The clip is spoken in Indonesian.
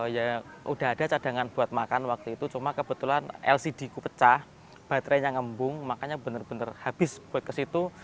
ya udah ada cadangan buat makan waktu itu cuma kebetulan lcd ku pecah baterainya ngembung makanya benar benar habis buat ke situ